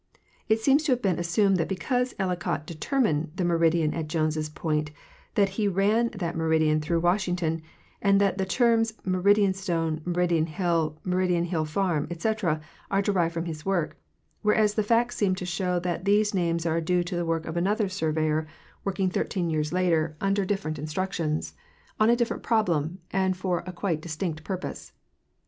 Itseems to have been assumed that because Ellicott determined the meridian at Jones point that he ran that meridian through Washington, and that the terms Meridian stone, Meridian hill, Meridian hill farm, ete, are derived from his work, whereas the facts seem to show that these names are due to the work of another surveyor, working thirteen years later, under different 164. M. Baker—Surveys and Maps, District of Columbia. instructions, on a different problem, and for a quite distinet purpose.